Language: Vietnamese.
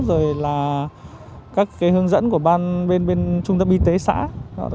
rồi là các hướng dẫn của ban bên trung tâm y tế xã